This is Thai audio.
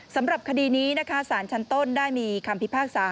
สำหรับคดีนี้นะคะสารชั้นต้นได้มีคำพิพากษา